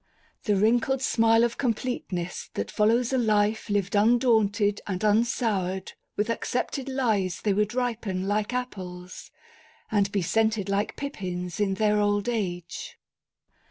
The wrinkled smile of completeness that follows a life lived undaunted and unsoured with accepted lies they would ripen like apples, and be scented like pippins in their old age.